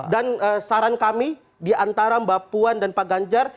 dan saran kami di antara mbak puan dan pak ganjar